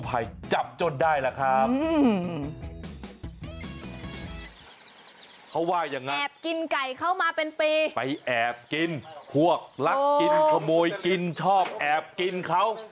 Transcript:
แอบกินไก่เข้ามาเป็นปีไปแอบกินพวกรักกินขโมยกินชอบแอบกินเขา